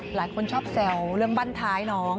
หลายคนชอบแซวเรื่องบ้านท้ายน้อง